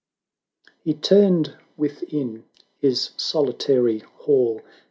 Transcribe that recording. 180 He turned within his solitary hall.